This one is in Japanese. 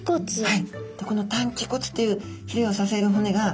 はい。